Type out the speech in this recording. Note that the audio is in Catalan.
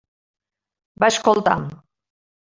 Va escoltar.